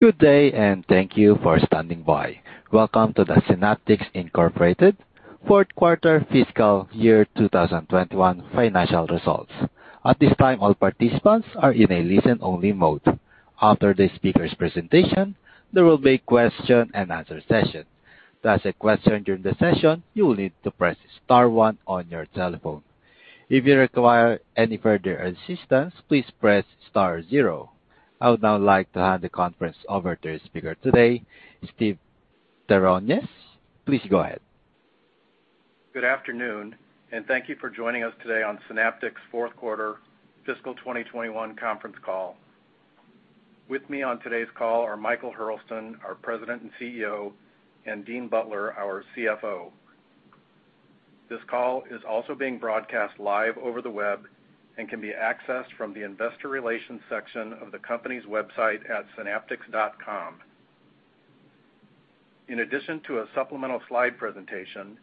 Good day, and thank you for standing by. Welcome to the Synaptics Incorporated Fourth Quarter Fiscal Year 2021 Financial Results. At this time, all participants are in a listen-only mode. After the speaker's presentation, there will be a question-and-answer session. To ask a question during the session, you will need to press star one on your telephone. If you require any further assistance, please press star zero. I would now like to hand the conference over to the speaker today, Steve Terronez. Please go ahead. Good afternoon, and thank you for joining us today on Synaptics' Fourth Quarter Fiscal 2021 Conference Call. With me on today's call are Michael Hurlston, our President and CEO, and Dean Butler, our CFO. This call is also being broadcast live over the web and can be accessed from the Investor Relations section of the company's website at synaptics.com. In addition to a supplemental slide presentation,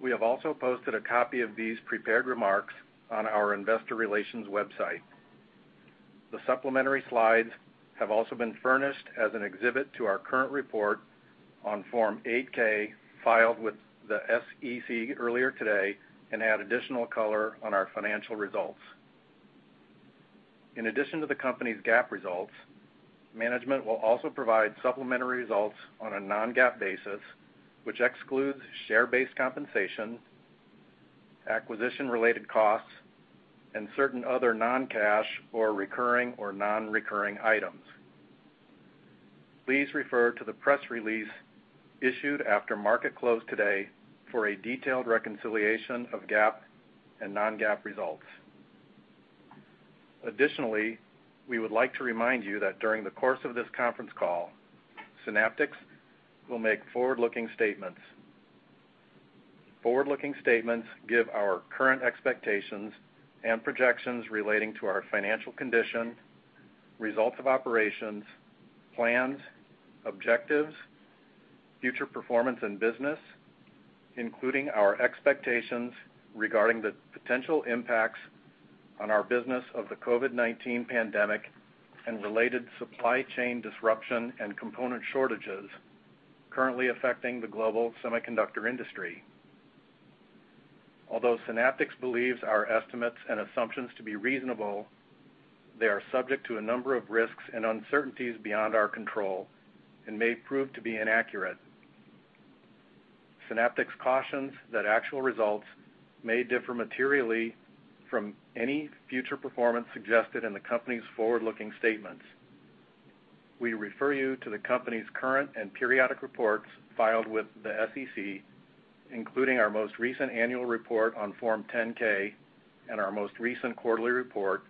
we have also posted a copy of these prepared remarks on our investor relations website. The supplementary slides have also been furnished as an exhibit to our current report on Form 8-K filed with the SEC earlier today and add additional color on our financial results. In addition to the company's GAAP results, management will also provide supplementary results on a non-GAAP basis, which excludes share-based compensation, acquisition-related costs, and certain other non-cash or recurring or non-recurring items. Please refer to the press release issued after market close today for a detailed reconciliation of GAAP and non-GAAP results. Additionally, we would like to remind you that during the course of this conference call, Synaptics will make forward-looking statements. Forward-looking statements give our current expectations and projections relating to our financial condition, results of operations, plans, objectives, future performance and business, including our expectations regarding the potential impacts on our business of the COVID-19 pandemic and related supply chain disruption and component shortages currently affecting the global semiconductor industry. Although Synaptics believes our estimates and assumptions to be reasonable, they are subject to a number of risks and uncertainties beyond our control and may prove to be inaccurate. Synaptics cautions that actual results may differ materially from any future performance suggested in the company's forward-looking statements. We refer you to the company's current and periodic reports filed with the SEC, including our most recent annual report on Form 10-K and our most recent quarterly report,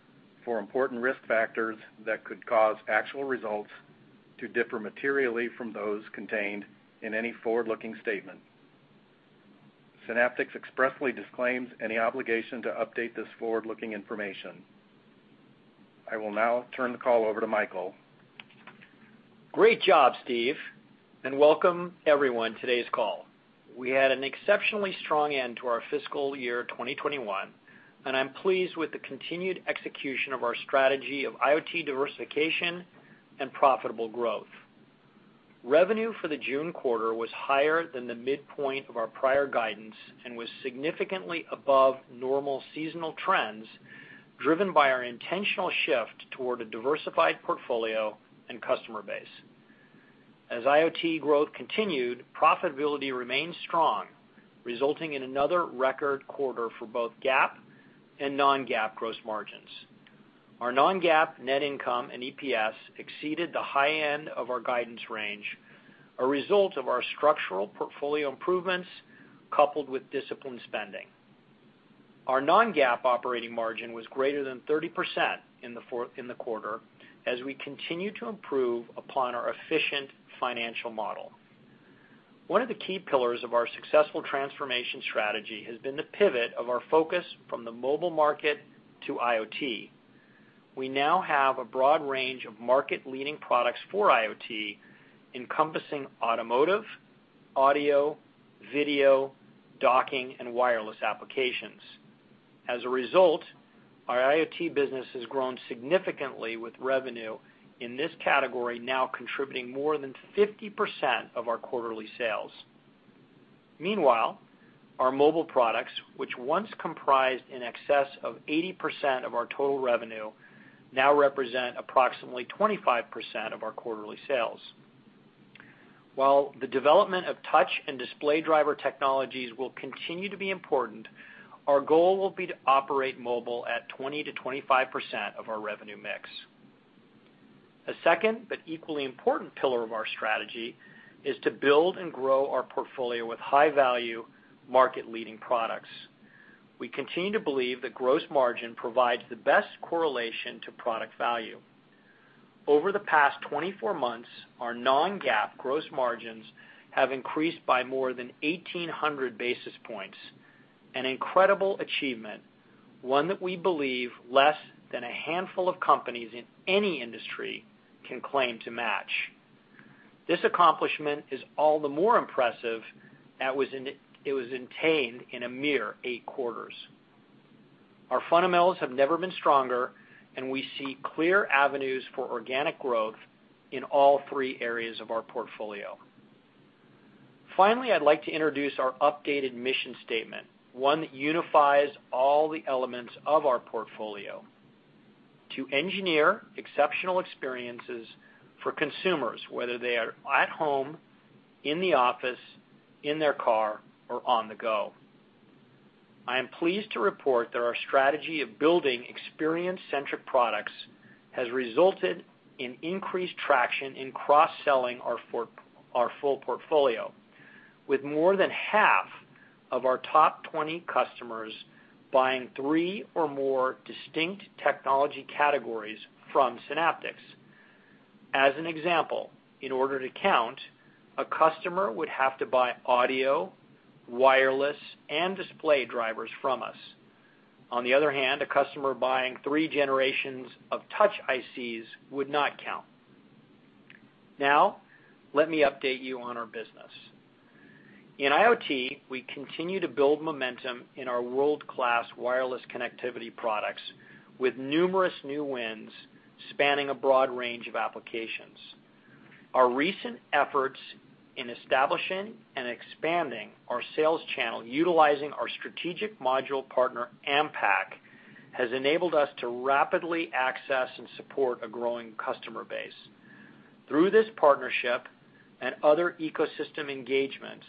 for important risk factors that could cause actual results to differ materially from those contained in any forward-looking statement. Synaptics expressly disclaims any obligation to update this forward-looking information. I will now turn the call over to Michael. Great job, Steve, and welcome, everyone, to today's call. We had an exceptionally strong end to our fiscal year 2021, and I'm pleased with the continued execution of our strategy of IoT diversification and profitable growth. Revenue for the June quarter was higher than the midpoint of our prior guidance and was significantly above normal seasonal trends, driven by our intentional shift toward a diversified portfolio and customer base. As IoT growth continued, profitability remained strong, resulting in another record quarter for both GAAP and non-GAAP gross margins. Our non-GAAP net income and EPS exceeded the high end of our guidance range; a result of our structural portfolio improvements coupled with disciplined spending. Our non-GAAP operating margin was greater than 30% in the quarter as we continue to improve upon our efficient financial model. One of the key pillars of our successful transformation strategy has been the pivot of our focus from the mobile market to IoT. We now have a broad range of market-leading products for IoT encompassing automotive, audio, video, docking, and wireless applications. As a result, our IoT business has grown significantly with revenue in this category now contributing more than 50% of our quarterly sales. Meanwhile, our mobile products, which once comprised in excess of 80% of our total revenue, now represent approximately 25% of our quarterly sales. While the development of touch and display driver technologies will continue to be important, our goal will be to operate mobile at 20%-25% of our revenue mix. A second but equally important pillar of our strategy is to build and grow our portfolio with high-value, market-leading products. We continue to believe that gross margin provides the best correlation to product value. Over the past 24 months, our non-GAAP gross margins have increased by more than 1,800 basis points, an incredible achievement, one that we believe less than a handful of companies in any industry can claim to match. This accomplishment is all the more impressive that it was attained in a mere eight quarters. Our fundamentals have never been stronger, and we see clear avenues for organic growth in all three areas of our portfolio. Finally, I'd like to introduce our updated mission statement, one that unifies all the elements of our portfolio to engineer exceptional experiences for consumers, whether they are at home, in the office, in their car, or on the go. I am pleased to report that our strategy of building experience-centric products has resulted in increased traction in cross-selling our full portfolio, with more than half of our top 20 customers buying three or more distinct technology categories from Synaptics. As an example, in order to count, a customer would have to buy audio, wireless, and display drivers from us. On the other hand, a customer buying three generations of touch ICs would not count. Let me update you on our business. In IoT, we continue to build momentum in our world-class wireless connectivity products with numerous new wins spanning a broad range of applications. Our recent efforts in establishing and expanding our sales channel, utilizing our strategic module partner, Ampak, has enabled us to rapidly access and support a growing customer base. Through this partnership and other ecosystem engagements,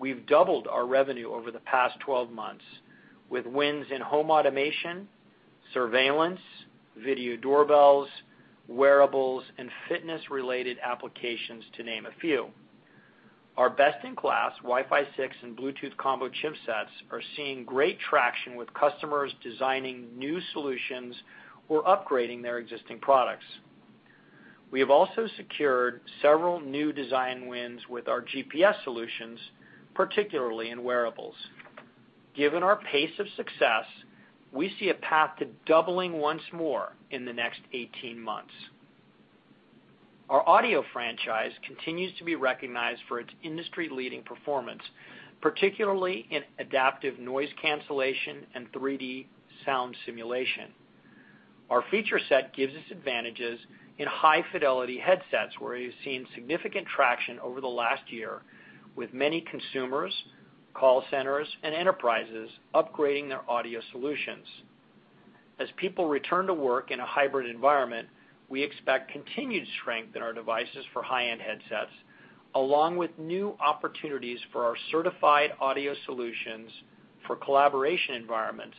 we've doubled our revenue over the past 12 months with wins in home automation, surveillance, video doorbells, wearables, and fitness-related applications, to name a few. Our best-in-class Wi-Fi 6 and Bluetooth combo chipsets are seeing great traction with customers designing new solutions or upgrading their existing products. We have also secured several new design wins with our GPS solutions, particularly in wearables. Given our pace of success, we see a path to doubling once more in the next 18 months. Our audio franchise continues to be recognized for its industry-leading performance, particularly in adaptive noise cancellation and 3D sound simulation. Our feature set gives us advantages in high-fidelity headsets, where we've seen significant traction over the last year with many consumers, call centers, and enterprises upgrading their audio solutions. As people return to work in a hybrid environment, we expect continued strength in our devices for high-end headsets, along with new opportunities for our certified audio solutions for collaboration environments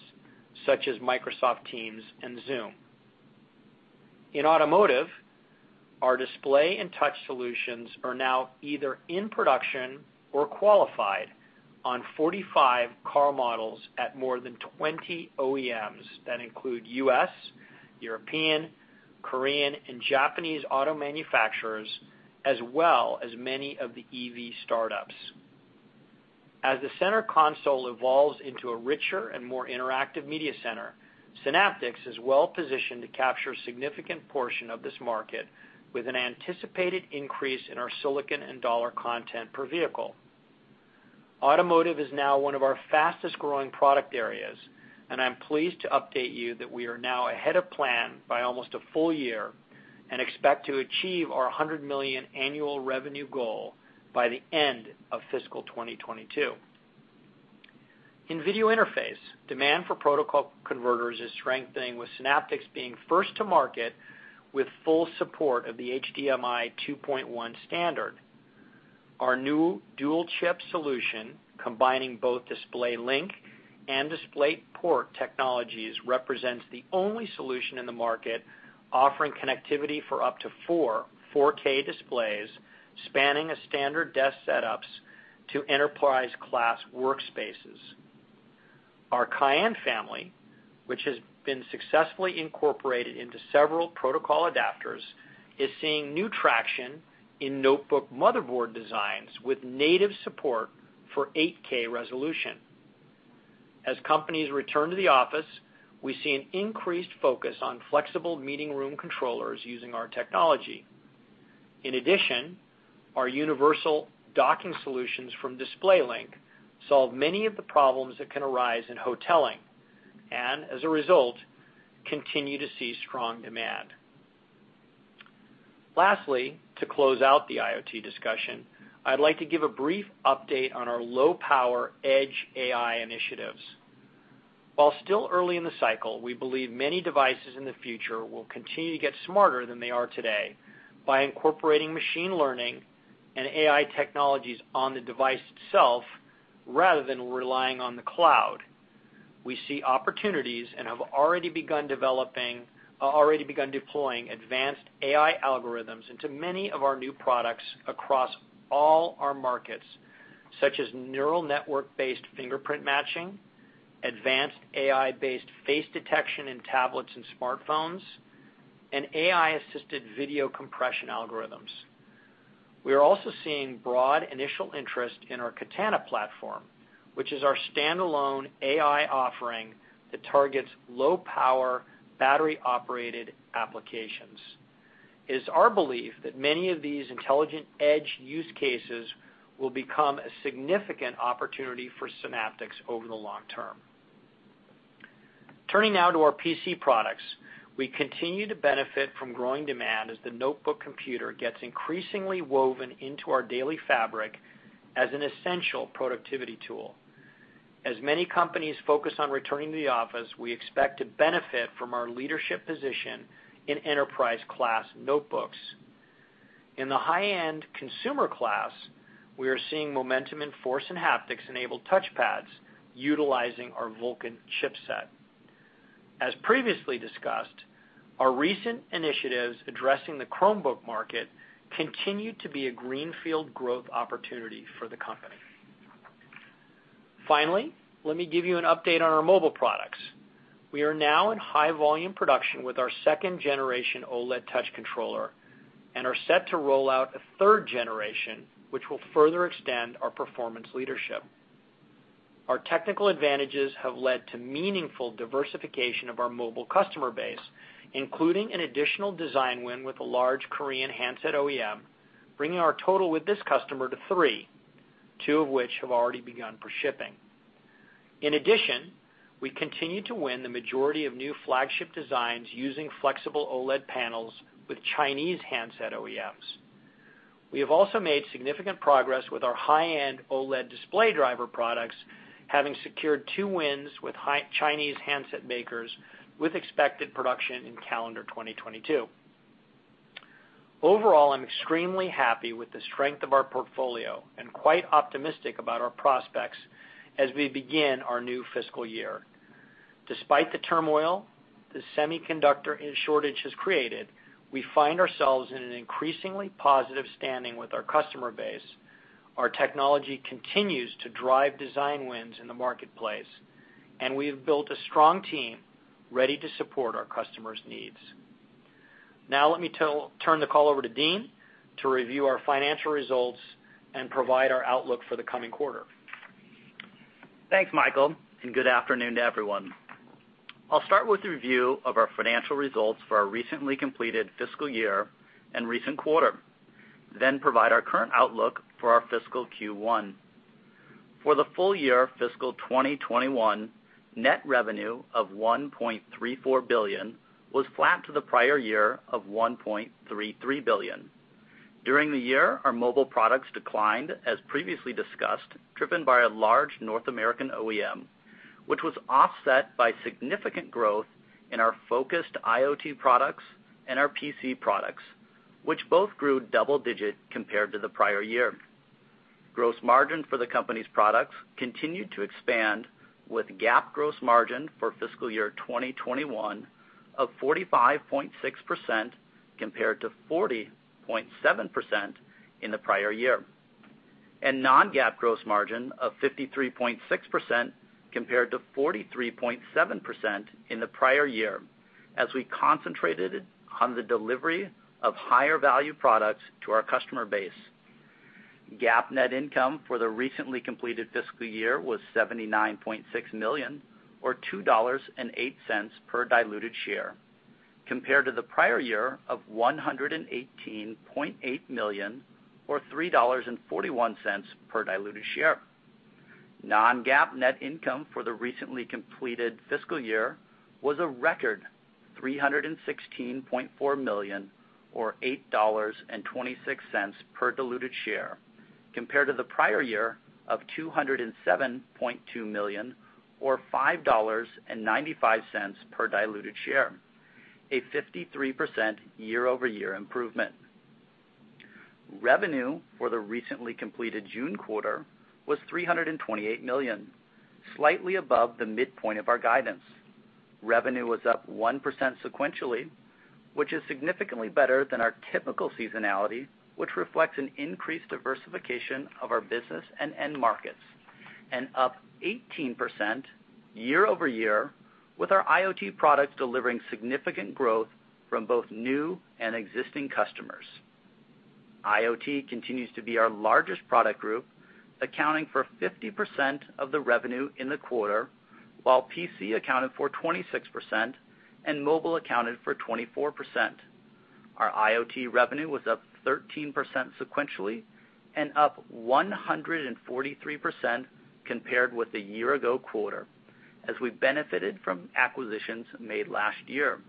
such as Microsoft Teams and Zoom. In automotive, our display and touch solutions are now either in production or qualified on 45 car models at more than 20 OEMs that include U.S., European, Korean, and Japanese auto manufacturers, as well as many of the EV startups. As the center console evolves into a richer and more interactive media center, Synaptics is well positioned to capture a significant portion of this market with an anticipated increase in our silicon and dollar content per vehicle. Automotive is now one of our fastest-growing product areas, and I'm pleased to update you that we are now ahead of plan by almost a full year and expect to achieve our $100 million annual revenue goal by the end of fiscal 2022. In video interface, demand for protocol converters is strengthening, with Synaptics being first to market with full support of the HDMI 2.1 standard. Our new dual-chip solution, combining both DisplayLink and DisplayPort technologies, represents the only solution in the market offering connectivity for up to four 4K displays, spanning standard desk setups to enterprise-class workspaces. Our Cayenne family, which has been successfully incorporated into several protocol adapters, is seeing new traction in notebook motherboard designs with native support for 8K resolution. As companies return to the office, we see an increased focus on flexible meeting room controllers using our technology. In addition, our universal docking solutions from DisplayLink solve many of the problems that can arise in hoteling and as a result, continue to see strong demand. Lastly, to close out the IoT discussion, I'd like to give a brief update on our low-power edge AI initiatives. While still early in the cycle, we believe many devices in the future will continue to get smarter than they are today by incorporating machine learning and AI technologies on the device itself rather than relying on the cloud. We see opportunities and have already begun deploying advanced AI algorithms into many of our new products across all our markets, such as neural network-based fingerprint matching, advanced AI-based face detection in tablets and smartphones, and AI-assisted video compression algorithms. We are also seeing broad initial interest in our Katana platform, which is our standalone AI offering that targets low-power, battery-operated applications. It is our belief that many of these intelligent edge use cases will become a significant opportunity for Synaptics over the long term. Turning now to our PC products, we continue to benefit from growing demand as the notebook computer gets increasingly woven into our daily fabric as an essential productivity tool. As many companies focus on returning to the office, we expect to benefit from our leadership position in enterprise class notebooks. In the high-end consumer class, we are seeing momentum in force and haptics-enabled touchpads utilizing our Vulkan chipset. As previously discussed, our recent initiatives addressing the Chromebook market continue to be a greenfield growth opportunity for the company. Finally, let me give you an update on our mobile products. We are now in high volume production with our second-generation OLED touch controller, and are set to roll out a third generation, which will further extend our performance leadership. Our technical advantages have led to meaningful diversification of our mobile customer base, including an additional design win with a large Korean handset OEM, bringing our total with this customer to three, two of which have already begun for shipping. In addition, we continue to win the majority of new flagship designs using flexible OLED panels with Chinese handset OEMs. We have also made significant progress with our high-end OLED display driver products, having secured two wins with Chinese handset makers with expected production in calendar 2022. Overall, I'm extremely happy with the strength of our portfolio and quite optimistic about our prospects as we begin our new fiscal year. Despite the turmoil the semiconductor shortage has created, we find ourselves in an increasingly positive standing with our customer base. Our technology continues to drive design wins in the marketplace, and we have built a strong team, ready to support our customers' needs. Now, let me turn the call over to Dean to review our financial results and provide our outlook for the coming quarter. Thanks, Michael, good afternoon to everyone. I'll start with a review of our financial results for our recently completed fiscal year and recent quarter, then provide our current outlook for our fiscal Q1. For the full year fiscal 2021, net revenue of $1.34 billion was flat to the prior year of $1.33 billion. During the year, our mobile products declined, as previously discussed, driven by a large North American OEM, which was offset by significant growth in our focused IoT products and our PC products, which both grew double-digit compared to the prior year. Gross margin for the company's products continued to expand, with GAAP gross margin for fiscal year 2021 of 45.6% compared to 40.7% in the prior year. Non-GAAP gross margin of 53.6% compared to 43.7% in the prior year, as we concentrated on the delivery of higher value products to our customer base. GAAP net income for the recently completed fiscal year was $79.6 million, or $2.08 per diluted share, compared to the prior year of $118.8 million, or $3.41 per diluted share. Non-GAAP net income for the recently completed fiscal year was a record $316.4 million, or $8.26 per diluted share, compared to the prior year of $207.2 million or $5.95 per diluted share, a 53% year-over-year improvement. Revenue for the recently completed June quarter was $328 million, slightly above the midpoint of our guidance. Revenue was up 1% sequentially, which is significantly better than our typical seasonality, which reflects an increased diversification of our business and end markets, and up 18% year-over-year with our IoT products delivering significant growth from both new and existing customers. IoT continues to be our largest product group, accounting for 50% of the revenue in the quarter, while PC accounted for 26% and mobile accounted for 24%. Our IoT revenue was up 13% sequentially and up 143% compared with the year ago quarter, as we benefited from acquisitions made last year.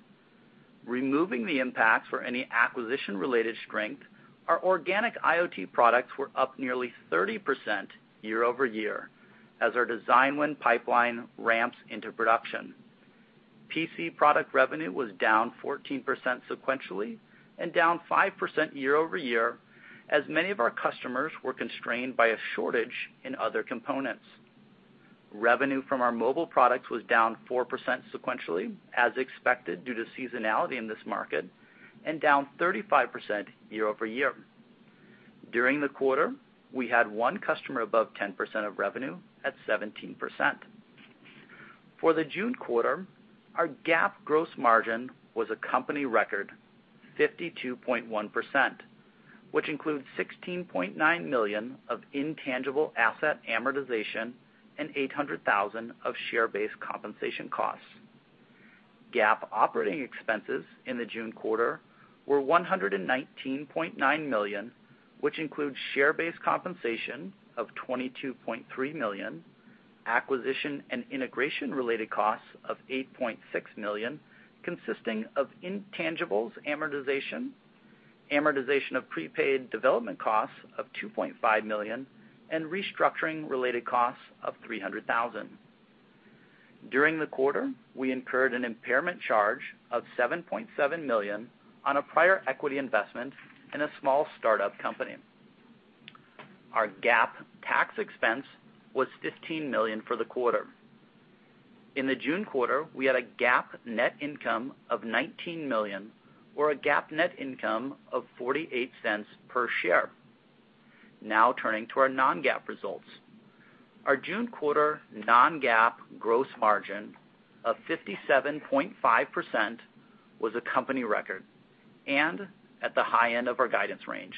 Removing the impacts for any acquisition-related strength, our organic IoT products were up nearly 30% year-over-year, as our design win pipeline ramps into production. PC product revenue was down 14% sequentially and down 5% year-over-year, as many of our customers were constrained by a shortage in other components. Revenue from our mobile products was down 4% sequentially, as expected, due to seasonality in this market, and down 35% year-over-year. During the quarter, we had one customer above 10% of revenue at 17%. For the June quarter, our GAAP gross margin was a company record 52.1%. Which includes $16.9 million of intangible asset amortization and $800,000 of share-based compensation costs. GAAP operating expenses in the June quarter were $119.9 million, which includes share-based compensation of $22.3 million, acquisition and integration related costs of $8.6 million, consisting of intangibles amortization, amortization of prepaid development costs of $2.5 million, and restructuring related costs of $300,000. During the quarter, we incurred an impairment charge of $7.7 million on a prior equity investment in a small startup company. Our GAAP tax expense was $15 million for the quarter. In the June quarter, we had a GAAP net income of $19 million, or a GAAP net income of $0.48 per share. Now turning to our non-GAAP results. Our June quarter non-GAAP gross margin of 57.5% was a company record, and at the high end of our guidance range,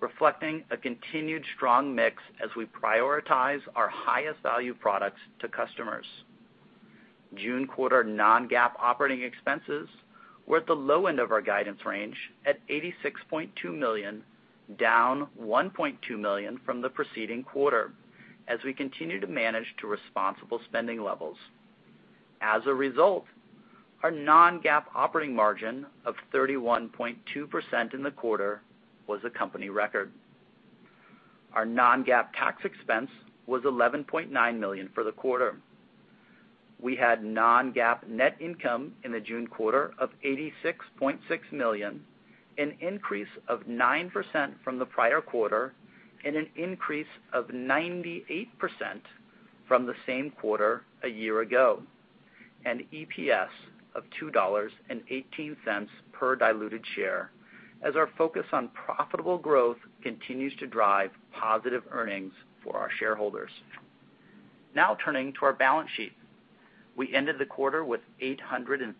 reflecting a continued strong mix as we prioritize our highest value products to customers. June quarter non-GAAP operating expenses were at the low end of our guidance range at $86.2 million, down $1.2 million from the preceding quarter, as we continue to manage to responsible spending levels. As a result, our non-GAAP operating margin of 31.2% in the quarter was a company record. Our non-GAAP tax expense was $11.9 million for the quarter. We had non-GAAP net income in the June quarter of $86.6 million, an increase of 9% from the prior quarter, and an increase of 98% from the same quarter a year ago, and EPS of $2.18 per diluted share, as our focus on profitable growth continues to drive positive earnings for our shareholders. Now turning to our balance sheet. We ended the quarter with $836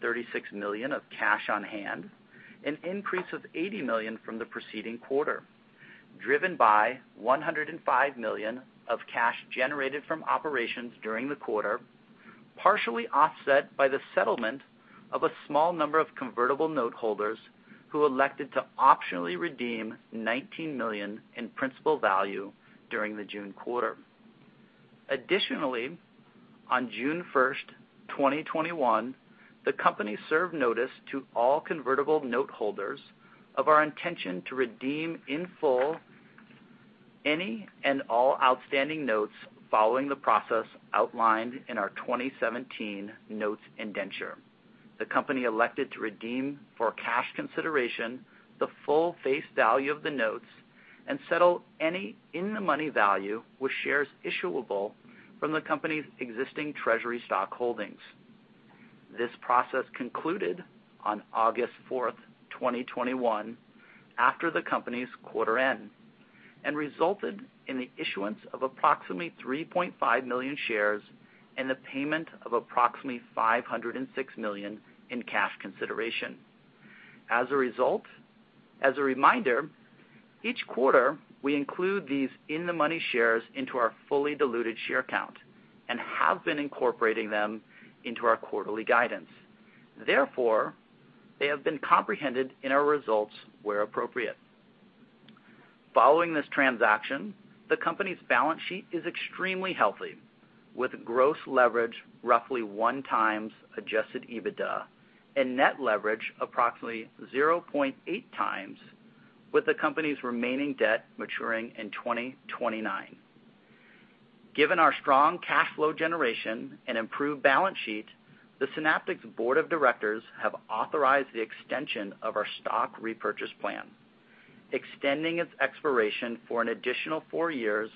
million of cash on hand, an increase of $80 million from the preceding quarter, driven by $105 million of cash generated from operations during the quarter, partially offset by the settlement of a small number of convertible note holders who elected to optionally redeem $19 million in principal value during the June quarter. Additionally, On June 1st, 2021, the company served notice to all convertible note holders of our intention to redeem in full any and all outstanding notes following the process outlined in our 2017 notes indenture. The company elected to redeem for cash consideration the full-face value of the notes and settle any in-the-money value with shares issuable from the company's existing treasury stock holdings. This process concluded on August 4th, 2021, after the company's quarter end, resulted in the issuance of approximately 3.5 million shares and the payment of approximately $506 million in cash consideration. As a result, as a reminder, each quarter, we include these in-the-money shares into our fully diluted share count and have been incorporating them into our quarterly guidance. Therefore, they have been comprehended in our results where appropriate. Following this transaction, the company's balance sheet is extremely healthy, with gross leverage roughly 1x adjusted EBITDA and net leverage approximately 0.8x with the company's remaining debt maturing in 2029. Given our strong cash flow generation and improved balance sheet, the Synaptics Board of Directors have authorized the extension of our stock repurchase plan, extending its expiration for an additional four years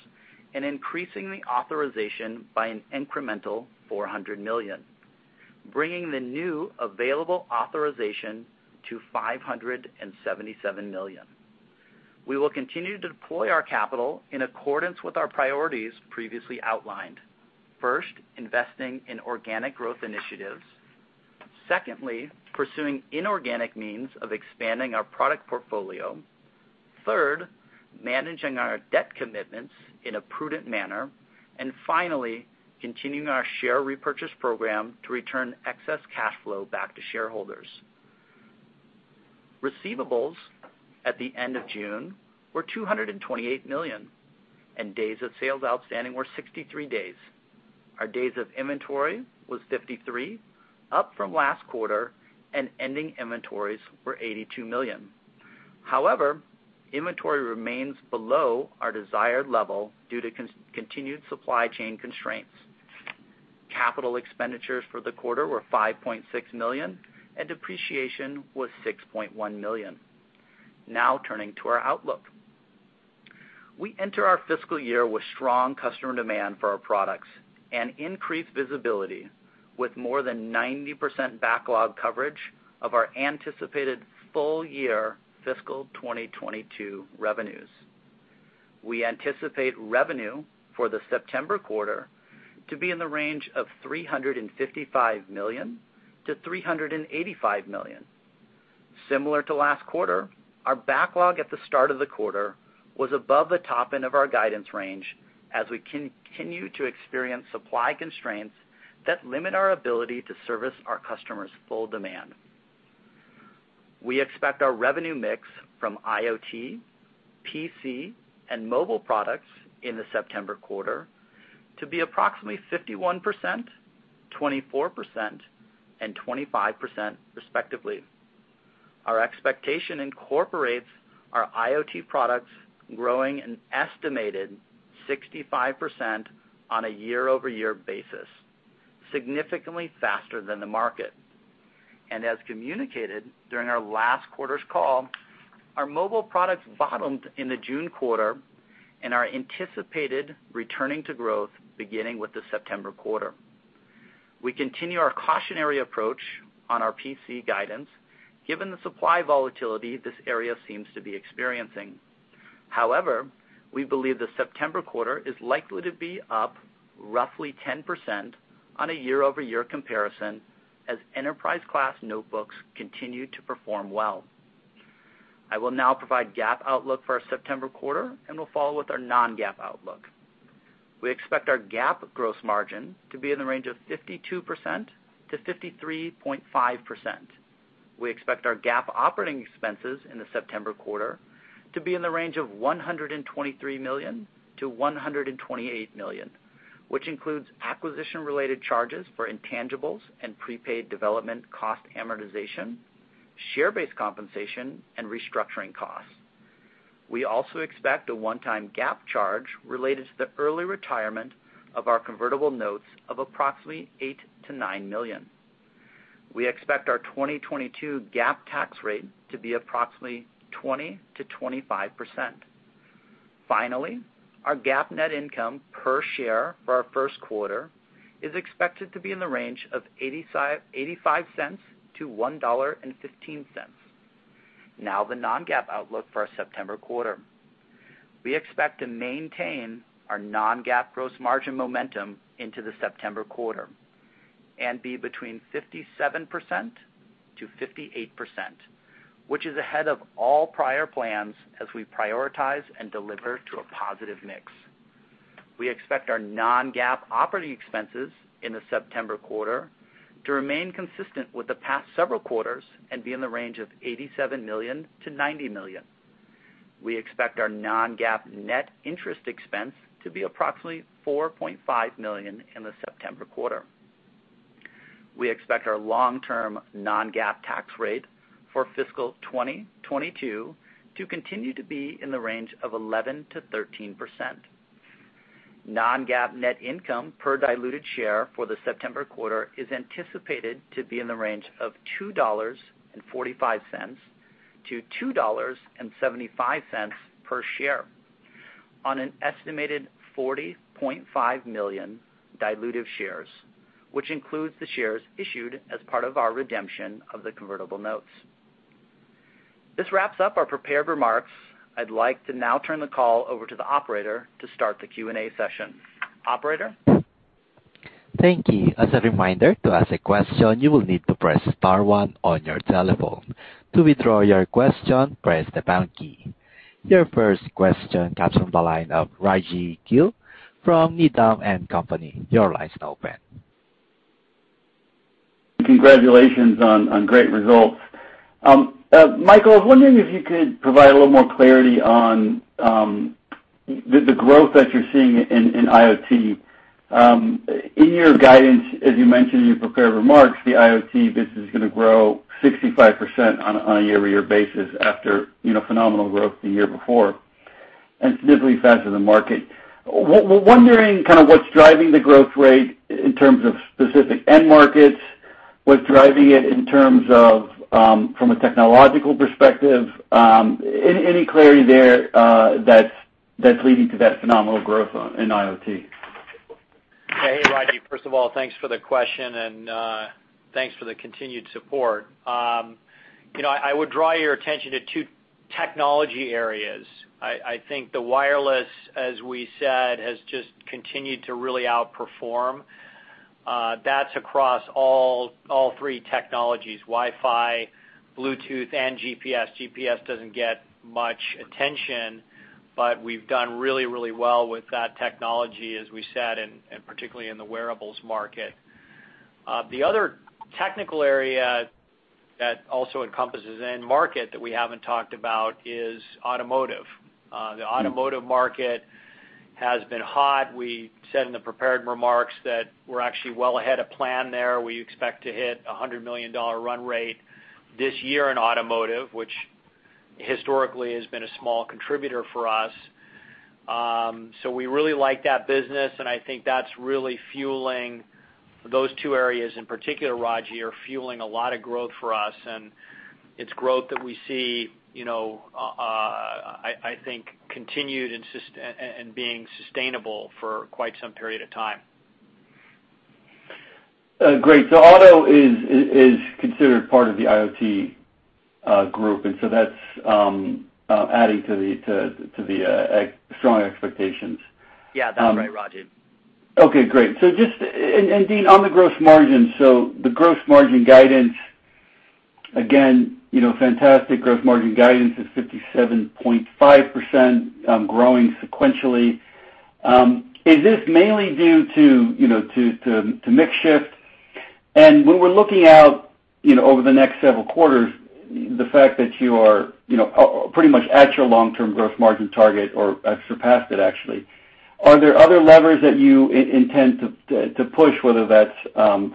and increasing the authorization by an incremental $400 million, bringing the new available authorization to $577 million. We will continue to deploy our capital in accordance with our priorities previously outlined. First, investing in organic growth initiatives. Secondly, pursuing inorganic means of expanding our product portfolio. Third, managing our debt commitments in a prudent manner. Finally, continuing our share repurchase program to return excess cash flow back to shareholders. Receivables at the end of June were $228 million, and days of sales outstanding were 63 days. Our days of inventory was 53, up from last quarter, and ending inventories were $82 million. However, inventory remains below our desired level due to continued supply chain constraints. Capital expenditures for the quarter were $5.6 million, and depreciation was $6.1 million. Now turning to our outlook. We enter our fiscal year with strong customer demand for our products and increased visibility with more than 90% backlog coverage of our anticipated full year fiscal 2022 revenues. We anticipate revenue for the September quarter to be in the range of $355 million-$385 million. Similar to last quarter, our backlog at the start of the quarter was above the top end of our guidance range as we continue to experience supply constraints that limit our ability to service our customers' full demand. We expect our revenue mix from IoT, PC, and mobile products in the September quarter to be approximately 51%, 24%, and 25%, respectively. Our expectation incorporates our IoT products growing an estimated 65% on a year-over-year basis, significantly faster than the market. As communicated during our last quarter's call, our mobile products bottomed in the June quarter and are anticipated returning to growth beginning with the September quarter. We continue our cautionary approach on our PC guidance, given the supply volatility this area seems to be experiencing. However, we believe the September quarter is likely to be up roughly 10% on a year-over-year comparison as enterprise class notebooks continue to perform well. I will now provide GAAP outlook for our September quarter, and we'll follow with our non-GAAP outlook. We expect our GAAP gross margin to be in the range of 52%-53.5%. We expect our GAAP operating expenses in the September quarter to be in the range of $123 million-$128 million, which includes acquisition-related charges for intangibles and prepaid development cost amortization, share-based compensation, and restructuring costs. We also expect a one-time GAAP charge related to the early retirement of our convertible notes of approximately $8 million-$9 million. We expect our 2022 GAAP tax rate to be approximately 20%-25%. Finally, our GAAP net income per share for our first quarter is expected to be in the range of $0.85-$1.15. Now the non-GAAP outlook for our September quarter. We expect to maintain our non-GAAP gross margin momentum into the September quarter and be between 57%-58%, which is ahead of all prior plans as we prioritize and deliver to a positive mix. We expect our non-GAAP operating expenses in the September quarter to remain consistent with the past several quarters and be in the range of $87 million-$90 million. We expect our non-GAAP net interest expense to be approximately $4.5 million in the September quarter. We expect our long-term non-GAAP tax rate for fiscal 2022 to continue to be in the range of 11%-13%. Non-GAAP net income per diluted share for the September quarter is anticipated to be in the range of $2.45-$2.75 per share on an estimated 40.5 million dilutive shares, which includes the shares issued as part of our redemption of the convertible notes. This wraps up our prepared remarks. I'd like to now turn the call over to the operator to start the Q&A session. Operator? Thank you. As a reminder, to ask a question, you will need to press star one on your telephone. To withdraw your question, press the pound key. Your first question comes from the line of Raji Gill from Needham & Company. Your line's open. Congratulations on great results. Michael, I was wondering if you could provide a little more clarity on the growth that you're seeing in IoT. In your guidance, as you mentioned in your prepared remarks, the IoT business is going to grow 65% on a year-over-year basis after phenomenal growth the year before, and significantly faster than market. Wondering what's driving the growth rate in terms of specific end markets, what's driving it in terms of from a technological perspective? Any clarity there that's leading to that phenomenal growth in IoT? Hey, Raji. First of all, thanks for the question, and thanks for the continued support. I would draw your attention to two technology areas. I think the wireless, as we said, has just continued to really outperform. That's across all three technologies, Wi-Fi, Bluetooth, and GPS. GPS doesn't get much attention, but we've done really well with that technology, as we said, and particularly in the wearables market. The other technical area that also encompasses end market that we haven't talked about is automotive. The automotive market has been hot. We said in the prepared remarks that we're actually well ahead of plan there. We expect to hit $100 million run rate this year in automotive, which historically has been a small contributor for us. We really like that business, and I think that's really fueling those two areas in particular, Raji, are fueling a lot of growth for us, and it's growth that we see I think continued and being sustainable for quite some period of time. Great. Auto is considered part of the IoT group, that's adding to the strong expectations. Yeah. That's right, Raji. Okay, great. Dean, on the gross margin, so the gross margin guidance, again, fantastic gross margin guidance is 57.5%, growing sequentially. Is this mainly due to mix shift? When we're looking out over the next several quarters, the fact that you are pretty much at your long-term gross margin target, or surpassed it, actually, are there other levers that you intend to push, whether that's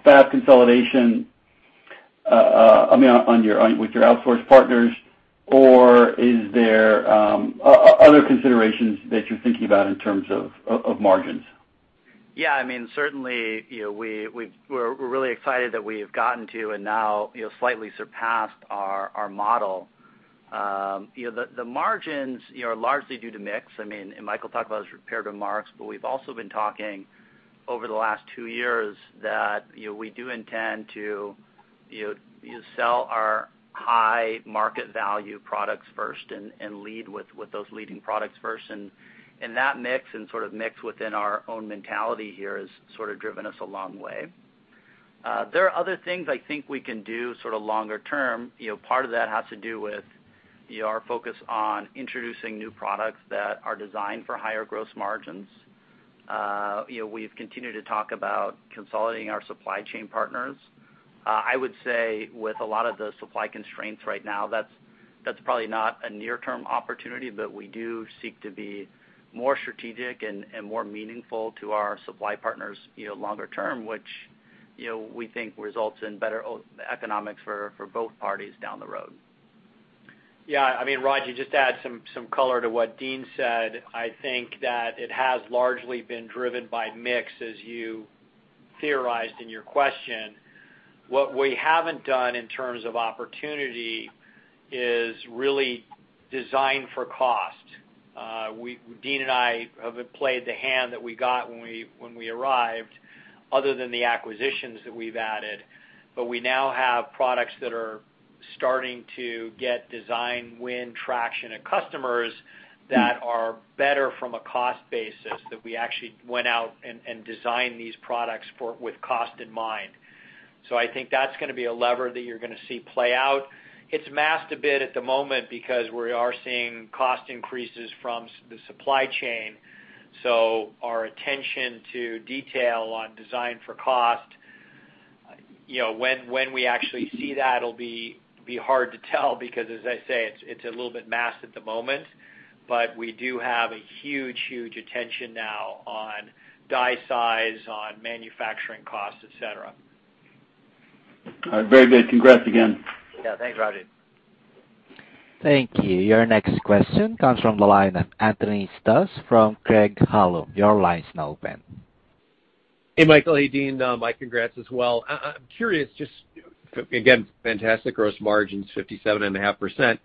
fab consolidation with your outsource partners, or is there other considerations that you're thinking about in terms of margins? Yeah. Certainly, we're really excited that we have gotten to, and now slightly surpassed, our model. The margins are largely due to mix, and Michael talked about his prepared remarks, but we've also been talking over the last two years that we do intend to sell our high-market value products first and lead with those leading products first. That mix and sort of mix within our own mentality here has sort of driven us a long way. There are other things I think we can do sort of longer term. Part of that has to do with our focus on introducing new products that are designed for higher gross margins. We've continued to talk about consolidating our supply chain partners. I would say with a lot of the supply constraints right now, that's probably not a near-term opportunity, but we do seek to be more strategic and more meaningful to our supply partners longer term, which we think results in better economics for both parties down the road. Raji, just to add some color to what Dean said, I think that it has largely been driven by mix, as you theorized in your question. What we haven't done in terms of opportunity is really design for cost. Dean and I have played the hand that we got when we arrived, other than the acquisitions that we've added, but we now have products that are starting to get design win traction and customers that are better from a cost basis, that we actually went out and designed these products with cost in mind. I think that's going to be a lever that you're going to see play out. It's masked a bit at the moment because we are seeing cost increases from the supply chain, so our attention to detail on design for cost, when we actually see that'll be hard to tell because as I say, it's a little bit masked at the moment, but we do have a huge attention now on die size, on manufacturing costs, et cetera. All right. Very good. Congrats again. Yeah. Thanks, Raji. Thank you. Your next question comes from the line of Anthony Stoss from Craig-Hallum. Your line's now open. Hey, Michael. Hey, Dean. My congrats as well. I'm curious, just again, fantastic gross margins, 57.5%.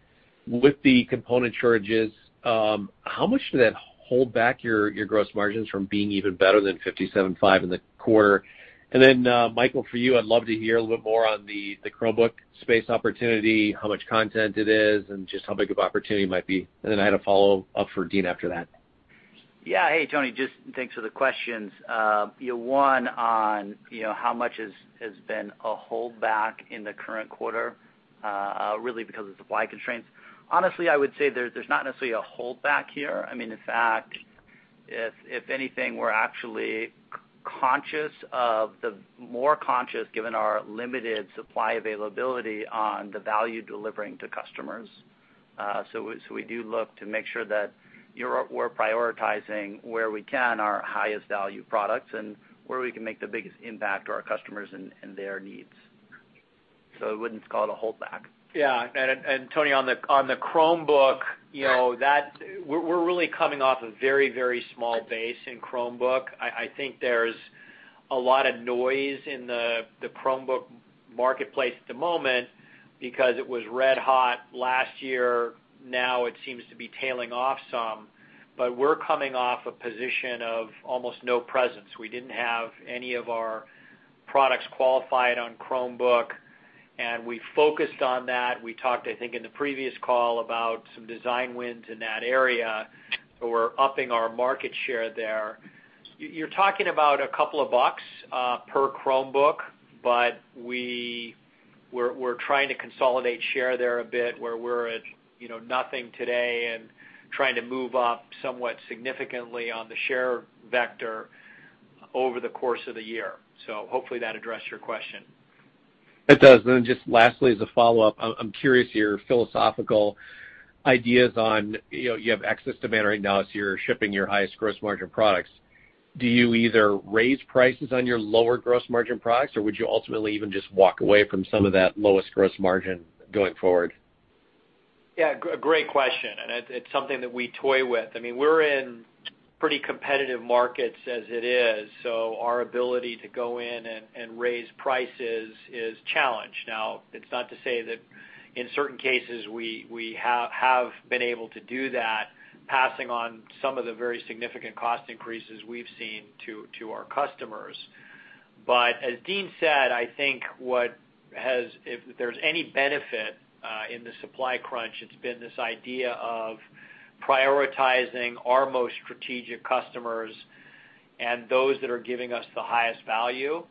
With the component shortages, how much did that hold back your gross margins from being even better than 57.5% in the quarter? Michael, for you, I'd love to hear a little bit more on the Chromebook space opportunity, how much content it is, and just how big of opportunity it might be. I had a follow-up for Dean after that. Yeah. Hey, Tony, just thanks for the questions. One on how much has been a holdback in the current quarter, really because of supply constraints. Honestly, I would say there's not necessarily a holdback here. In fact, if anything, we're actually more conscious, given our limited supply availability, on the value delivering to customers. We do look to make sure that we're prioritizing where we can our highest value products and where we can make the biggest impact to our customers and their needs. I wouldn't call it a holdback. Yeah. Tony, on the Chromebook, we're really coming off a very small base in Chromebook. I think there's a lot of noise in the Chromebook marketplace at the moment because it was red hot last year. Now it seems to be tailing off some, but we're coming off a position of almost no presence. We didn't have any of our products qualified on Chromebook, and we focused on that. We talked, I think, in the previous call about some design wins in that area. We're upping our market share there. You're talking about a couple of bucks per Chromebook, but we're trying to consolidate share there a bit where we're at nothing today and trying to move up somewhat significantly on the share vector over the course of the year. Hopefully that addressed your question. It does. Then just lastly, as a follow-up, I'm curious your philosophical ideas on, you have excess demand right now as you're shipping your highest gross margin products. Do you either raise prices on your lower gross margin products, or would you ultimately even just walk away from some of that lowest gross margin going forward? Yeah, great question. It's something that we toy with. We're in pretty competitive markets as it is, so our ability to go in and raise prices is challenged. Now, it's not to say that in certain cases, we have been able to do that, passing on some of the very significant cost increases we've seen to our customers. As Dean said, I think if there's any benefit in the supply crunch, it's been this idea of prioritizing our most strategic customers and those that are giving us the highest value.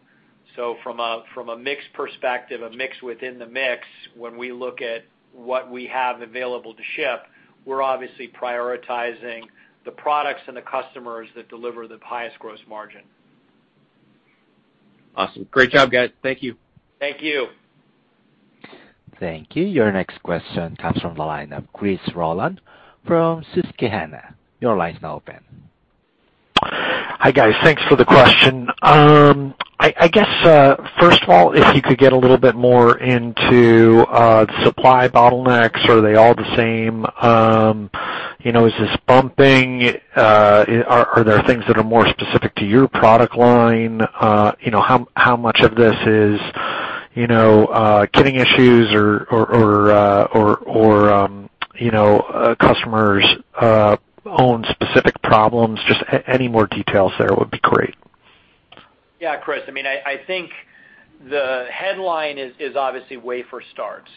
From a mix perspective, a mix within the mix, when we look at what we have available to ship, we're obviously prioritizing the products and the customers that deliver the highest gross margin. Awesome. Great job, guys. Thank you. Thank you. Thank you. Your next question comes from the line of Christopher Rolland from Susquehanna. Your line's now open. Hi, guys. Thanks for the question. I guess, first of all, if you could get a little bit more into the supply bottlenecks. Are they all the same? Is this bumping? Are there things that are more specific to your product line? How much of this is kitting issues or a customer's own specific problems? Just any more details there would be great. Chris. I think the headline is obviously wafer starts.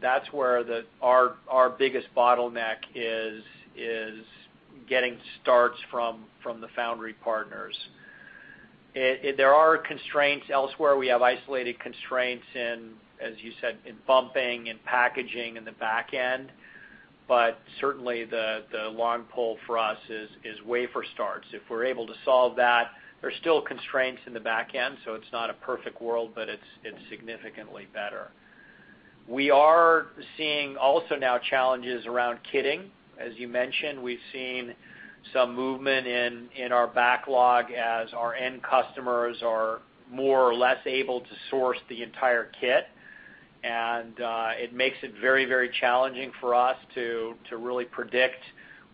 That's where our biggest bottleneck is, getting starts from the foundry partners. There are constraints elsewhere. We have isolated constraints in, as you said, in bumping, in packaging in the back end, but certainly the long pull for us is wafer starts. If we're able to solve that, there's still constraints in the back end, so it's not a perfect world, but it's significantly better. We are seeing also now challenges around kitting. As you mentioned, we've seen some movement in our backlog as our end customers are more or less able to source the entire kit. It makes it very challenging for us to really predict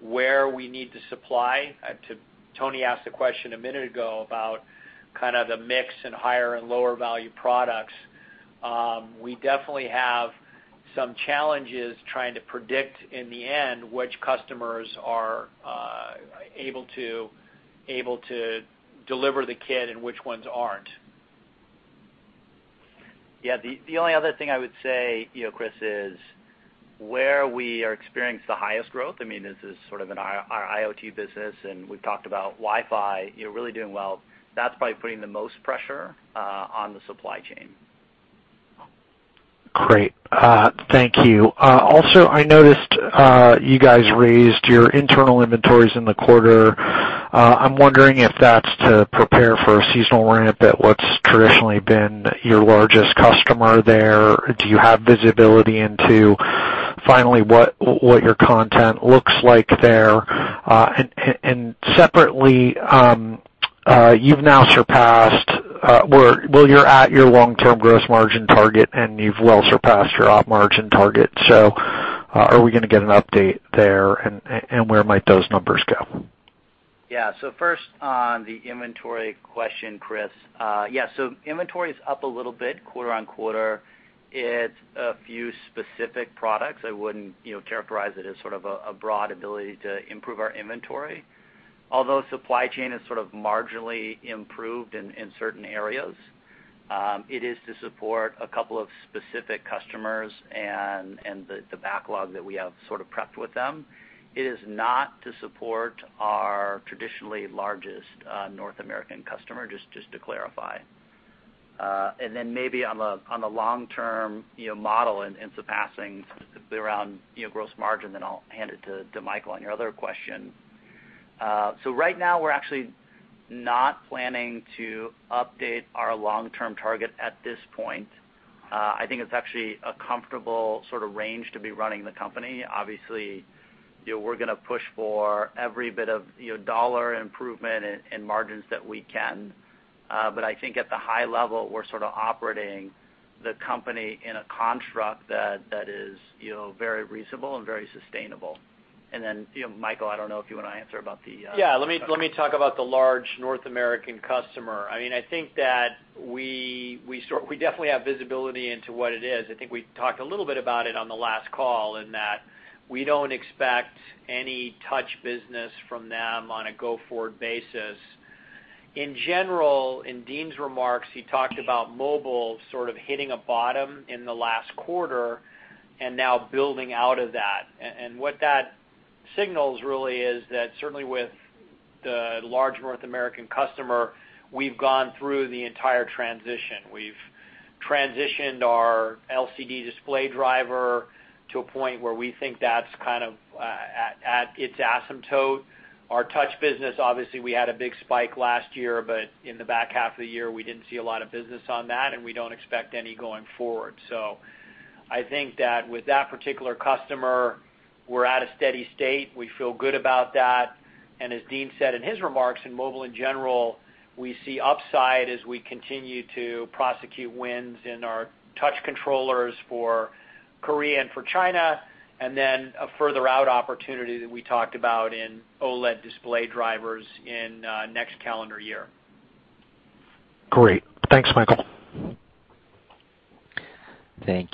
where we need to supply. Tony asked a question a minute ago about kind of the mix in higher and lower value products. We definitely have some challenges trying to predict, in the end, which customers are able to deliver the kit and which ones aren't. Yeah, the only other thing I would say, Chris, is where we are experiencing the highest growth, this is sort of in our IoT business, and we've talked about Wi-Fi really doing well. That's probably putting the most pressure on the supply chain. Great. Thank you. I noticed you guys raised your internal inventories in the quarter. I'm wondering if that's to prepare for a seasonal ramp at what's traditionally been your largest customer there. Do you have visibility into finally what your content looks like there? Separately, you've now surpassed, well, you're at your long-term gross margin target, and you've well surpassed your op margin target. Are we going to get an update there? Where might those numbers go? First on the inventory question, Chris. Inventory is up a little bit quarter-on-quarter. It's a few specific products. I wouldn't characterize it as sort of a broad ability to improve our inventory. Supply chain has sort of marginally improved in certain areas, it is to support a couple specific customers and the backlog that we have sort of prepped with them. It is not to support our traditionally largest North American customer, just to clarify. Maybe on the long-term model and surpassing specifically around gross margin, then I'll hand it to Michael on your other question. Right now, we're actually not planning to update our long-term target at this point. I think it's actually a comfortable sort of range to be running the company. Obviously, we're going to push for every bit of dollar improvement in margins that we can. I think at the high level, we're sort of operating the company in a contract that is very reasonable and very sustainable. Michael, I don't know if you want to answer. Let me talk about the large North American customer. I think that we definitely have visibility into what it is. I think we talked a little bit about it on the last call, in that we don't expect any touch business from them on a go-forward basis. In general, in Dean's remarks, he talked about mobile sort of hitting a bottom in the last quarter and now building out of that. What that signals really is that certainly with the large North American customer, we've gone through the entire transition. We've transitioned our LCD display driver to a point where we think that's kind of at its asymptote. Our touch business, obviously, we had a big spike last year, but in the back half of the year, we didn't see a lot of business on that, and we don't expect any going forward. I think that with that particular customer, we're at a steady state. We feel good about that. As Dean said in his remarks, in mobile in general, we see upside as we continue to prosecute wins in our touch controllers for Korea and for China, and then a further out opportunity that we talked about in OLED display drivers in next calendar year. Great. Thanks, Michael. Thank you.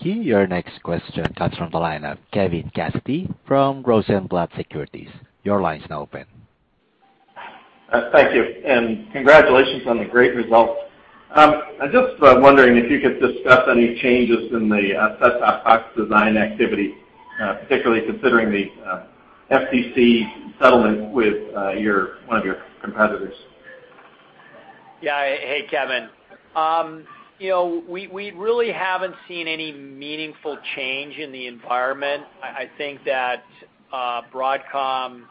Your next question comes from the line of Kevin Cassidy from Rosenblatt Securities. Thank you, and congratulations on the great results. I'm just wondering if you could discuss any changes in the set-top box design activity, particularly considering the FTC settlement with one of your competitors. Hey, Kevin. We really haven't seen any meaningful change in the environment. I think that Broadcom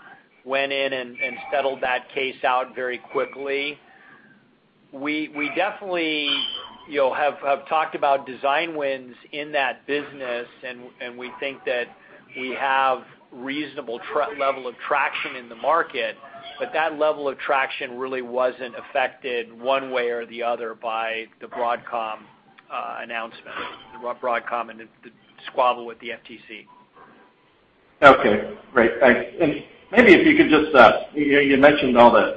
went in and settled that case out very quickly. We definitely have talked about design wins in that business, and we think that we have reasonable level of traction in the market, but that level of traction really wasn't affected one way or the other by the Broadcom announcement, the Broadcom and the squabble with the FTC. Okay, great. Thanks. Maybe if you could just, you mentioned all the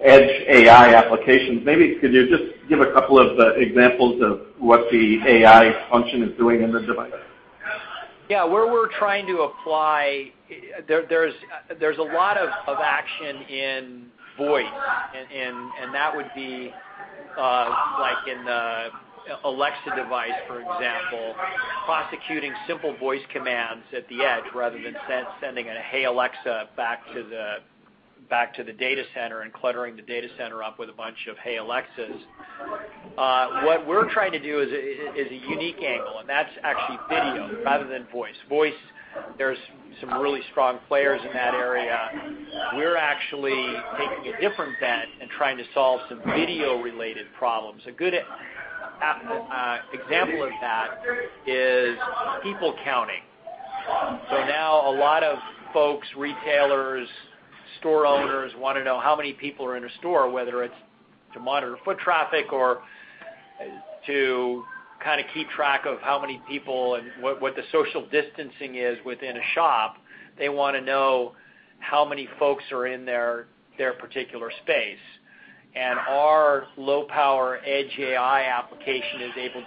Edge AI applications. Maybe could you just give a couple of examples of what the AI function is doing in the device? Yeah. Where we're trying to apply, there's a lot of action in voice, and that would be like in the Alexa device, for example, prosecuting simple voice commands at the Edge rather than sending a, "Hey, Alexa," back to the data center and cluttering the data center up with a bunch of, "Hey, Alexas." What we're trying to do is a unique angle, and that's actually video rather than voice. Voice, there's some really strong players in that area. We're actually taking a different bet and trying to solve some video-related problems. A good example of that is people counting. Now a lot of folks, retailers, store owners, want to know how many people are in a store, whether it's to monitor foot traffic or to kind of keep track of how many people and what the social distancing is within a shop. They want to know how many folks are in their particular space. Our low-power Edge AI application is able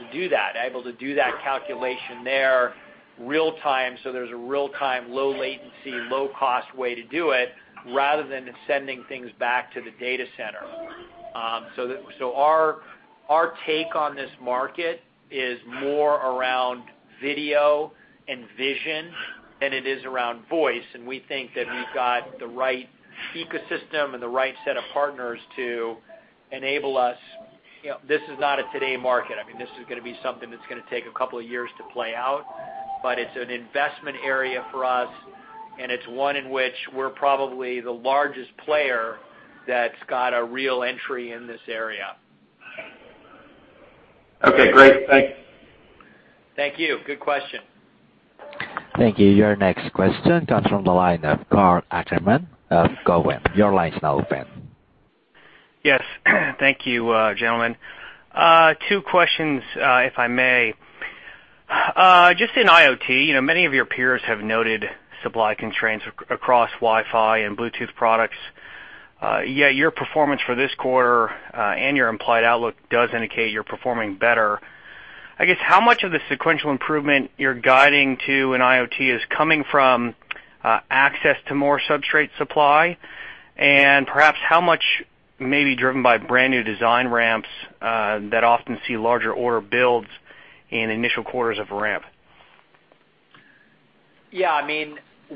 to do that calculation there real time, so there's a real-time, low latency, low-cost way to do it, rather than sending things back to the data center. Our take on this market is more around video and vision than it is around voice, and we think that we've got the right ecosystem and the right set of partners to enable us. This is not a today market. This is going to be something that's going to take a couple of years to play out, but it's an investment area for us, and it's one in which we're probably the largest player that's got a real entry in this area. Okay, great. Thanks. Thank you. Good question. Thank you. Your next question comes from the line of Karl Ackerman of Cowen. Yes. Thank you, gentlemen. Two questions, if I may. Just in IoT, many of your peers have noted supply constraints across Wi-Fi and Bluetooth products. Yet your performance for this quarter, and your implied outlook does indicate you're performing better. I guess, how much of the sequential improvement you're guiding to in IoT is coming from access to more substrate supply? And perhaps how much may be driven by brand-new design ramps that often see larger order builds in initial quarters of ramp? Yeah.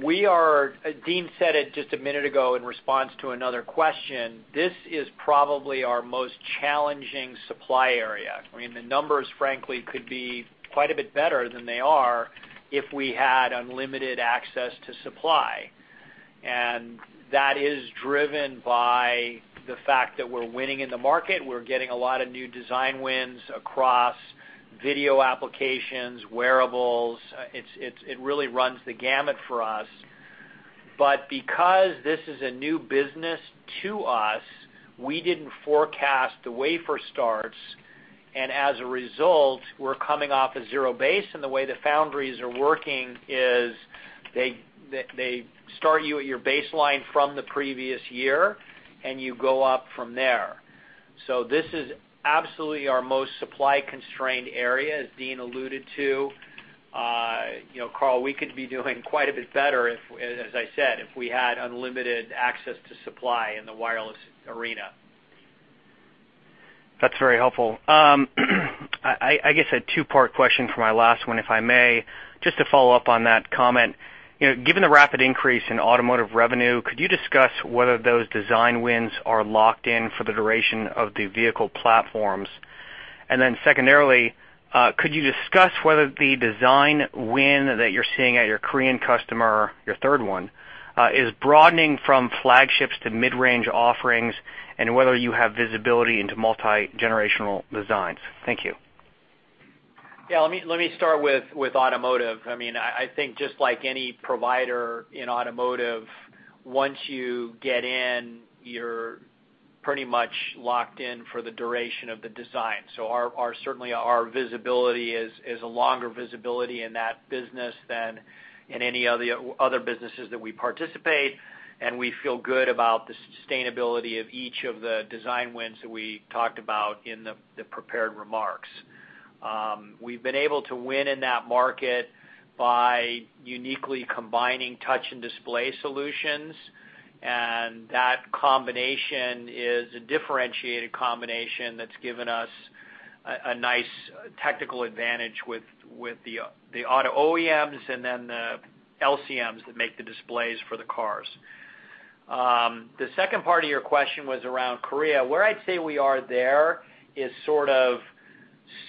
Dean said it just a minute ago in response to another question. This is probably our most challenging supply area. The numbers, frankly, could be quite a bit better than they are if we had unlimited access to supply. That is driven by the fact that we're winning in the market. We're getting a lot of new design wins across video applications, wearables. It really runs the gamut for us. Because this is a new business to us, we didn't forecast the wafer starts, and as a result, we're coming off a zero base, and the way the foundries are working is they start you at your baseline from the previous year, and you go up from there. This is absolutely our most supply-constrained area, as Dean alluded to. Karl, we could be doing quite a bit better, as I said, if we had unlimited access to supply in the wireless arena. That's very helpful. I guess a two-part question for my last one, if I may. Just to follow up on that comment. Given the rapid increase in automotive revenue, could you discuss whether those design wins are locked in for the duration of the vehicle platforms? Secondarily, could you discuss whether the design win that you're seeing at your Korean customer, your third one, is broadening from flagships to mid-range offerings and whether you have visibility into multi-generational designs? Thank you. Yeah. Let me start with automotive. I think just like any provider in automotive, once you get in, you're pretty much locked in for the duration of the design. Certainly our visibility is a longer visibility in that business than in any other businesses that we participate, and we feel good about the sustainability of each of the design wins that we talked about in the prepared remarks. We've been able to win in that market by uniquely combining touch and display solutions, and that combination is a differentiated combination that's given us a nice technical advantage with the auto OEMs and then the LCMs that make the displays for the cars. The second part of your question was around Korea. Where I'd say we are there is sort of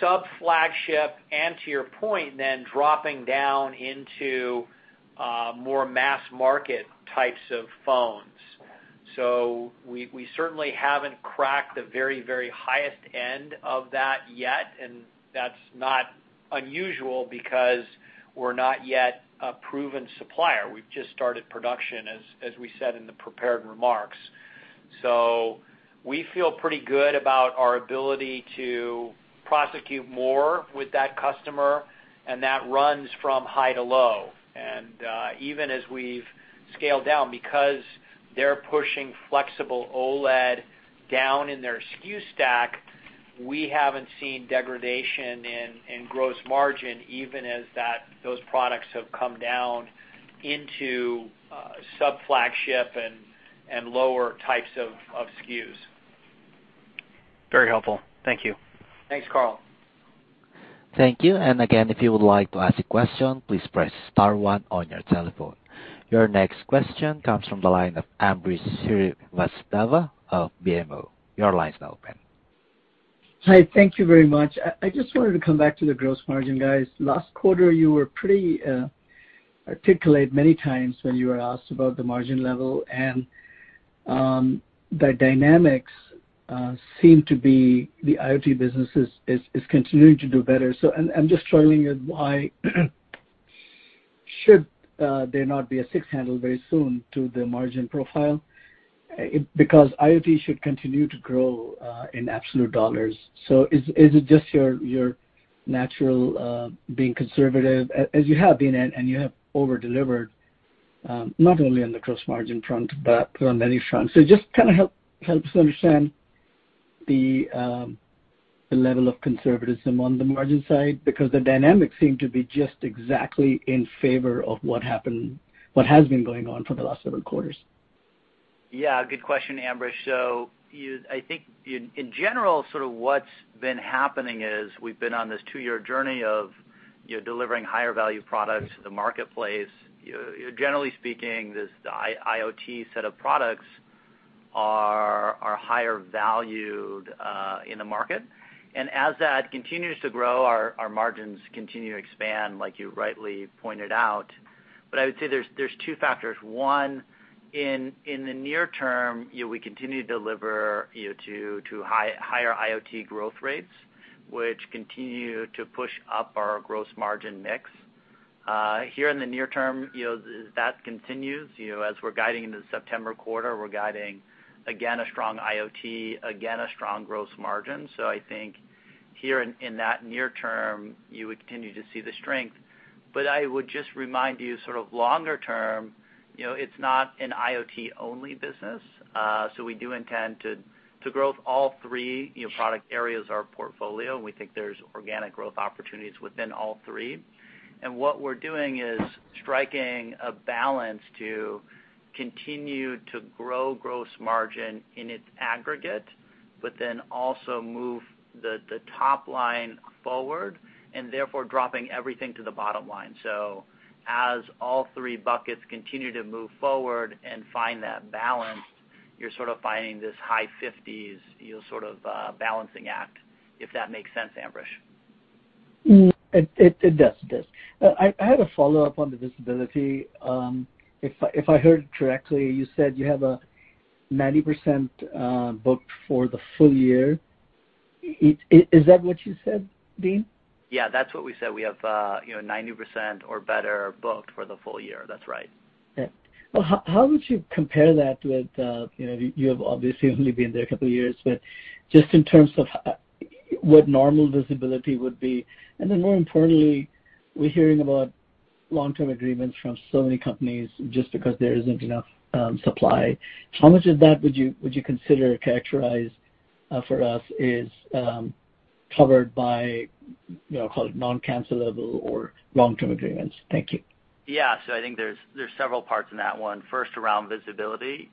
sub-flagship, and to your point then, dropping down into more mass market types of phones. We certainly haven't cracked the very highest end of that yet, and that's not unusual because we're not yet a proven supplier. We've just started production, as we said in the prepared remarks. We feel pretty good about our ability to prosecute more with that customer, and that runs from high to low. Even as we've scaled down, because they're pushing flexible OLED down in their SKU stack, we haven't seen degradation in gross margin, even as those products have come down into sub-flagship and lower types of SKUs. Very helpful. Thank you. Thanks, Karl. Thank you. Again, if you would like to ask a question, please press star one on your telephone. Your next question comes from the line of Ambrish Srivastava of BMO. Your line's now open. Hi. Thank you very much. I just wanted to come back to the gross margin, guys. Last quarter, you were pretty articulate many times when you were asked about the margin level, and the dynamics seem to be the IoT business is continuing to do better. I'm just struggling with why should there not be a six handle very soon to the margin profile? Because IoT should continue to grow in absolute dollars. Is it just your natural being conservative, as you have been, and you have over-delivered, not only on the gross margin front, but on many fronts. Just kind of help us understand the level of conservatism on the margin side, because the dynamics seem to be just exactly in favor of what happened, what has been going on for the last several quarters. Good question, Ambrish. I think in general, sort of what's been happening is we've been on this two-year journey of delivering higher value products to the marketplace. Generally speaking, the IoT set of products are higher valued in the market. As that continues to grow, our margins continue to expand, like you rightly pointed out. I would say there's two factors. One, in the near term, we continue to deliver to higher IoT growth rates, which continue to push up our gross margin mix. Here in the near term, as that continues, as we're guiding into the September quarter, we're guiding, again, a strong IoT, again, a strong gross margin. I think here in that near term, you would continue to see the strength. I would just remind you sort of longer term; it's not an IoT-only business. We do intend to grow all three product areas of our portfolio, and we think there's organic growth opportunities within all three. What we're doing is striking a balance to continue to grow gross margin in its aggregate, but then also move the top line forward and therefore dropping everything to the bottom line. As all three buckets continue to move forward and find that balance, you're sort of finding this high 50s sort of balancing act, if that makes sense, Ambrish. It does. I have a follow-up on the visibility. If I heard correctly, you said you have 90% booked for the full year. Is that what you said, Dean? Yeah, that's what we said. We have 90% or better booked for the full year. That's right. Yeah. How would you compare that with, you have obviously only been there a couple of years, but just in terms of what normal visibility would be, and then more importantly, we're hearing about long-term agreements from so many companies just because there isn't enough supply? How much of that would you consider or characterize for us is covered by non-cancellable or long-term agreements? Thank you. I think there's several parts in that one. First, around visibility.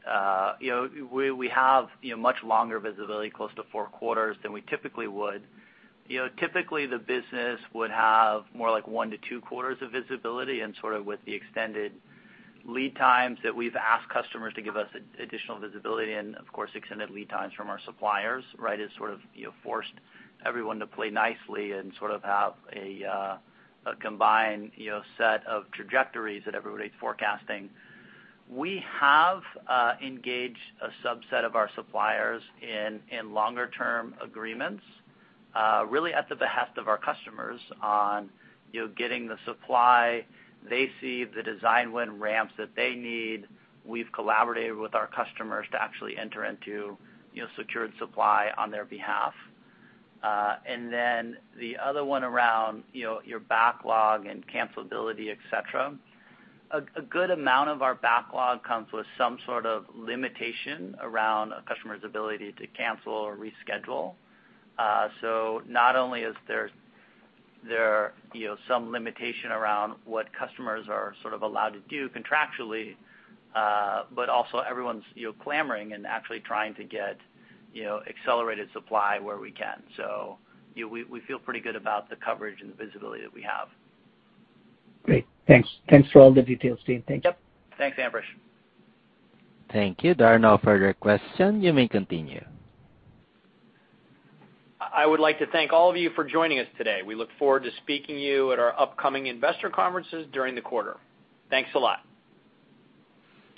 We have much longer visibility, close to four quarters, than we typically would. Typically, the business would have more like one-two quarters of visibility, and sort of with the extended lead times that we've asked customers to give us additional visibility and, of course, extended lead times from our suppliers, has sort of forced everyone to play nicely and sort of have a combined set of trajectories that everybody's forecasting. We have engaged a subset of our suppliers in longer term agreements, really at the behest of our customers on getting the supply they see, the design win ramps that they need. We've collaborated with our customers to actually enter into secured supply on their behalf. The other one around your backlog and cancellability, et cetera. A good amount of our backlog comes with some sort of limitation around a customer's ability to cancel or reschedule. Not only is there some limitation around what customers are sort of allowed to do contractually, but also everyone's clamoring and actually trying to get accelerated supply where we can. We feel pretty good about the coverage and the visibility that we have. Great. Thanks for all the details, Dean. Thank you. Yep. Thanks, Ambrish. Thank you. There are no further questions. You may continue. I would like to thank all of you for joining us today. We look forward to speaking to you at our upcoming investor conferences during the quarter. Thanks a lot.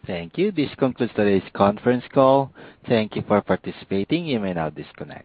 Thank you. This concludes today's conference call. Thank you for participating. You may now disconnect.